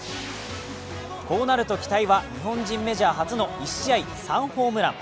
こうなると期待は日本人メジャー初の１試合３ホームラン。